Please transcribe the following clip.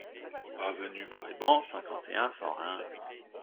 Avenue Brebant, cinquante et un, cent Reims